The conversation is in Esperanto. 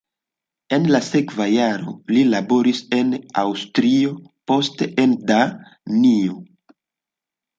En la sekva jaro li laboris en Aŭstrio, poste en Danio.